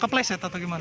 kepleset atau gimana